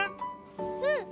うん！